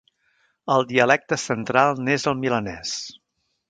El dialecte central n'és el milanès.